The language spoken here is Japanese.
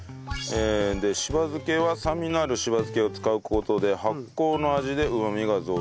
でしば漬けは酸味のあるしば漬けを使う事で発酵の味でうまみが増幅される。